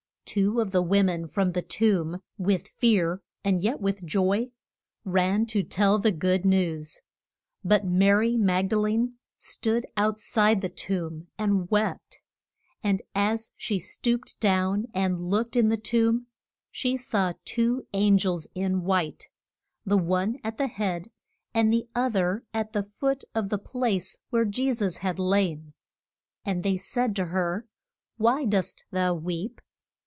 Two of the wo men from the tomb, with fear and yet with joy, ran to tell the good news. But Ma ry Mag da le ne stood out side the tomb and wept. And as she stooped down and looked in the tomb, she saw two an gels in white, the one at the head, the oth er at the foot of the place where Je sus had lain. And they said to her, Why dost thou weep?